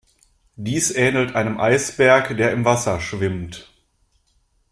Dies ähnelt einem Eisberg, der im Wasser schwimmt.